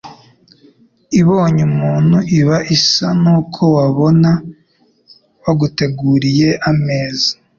ibonye umuntu iba isa n'uko wabona baguteguriye ameza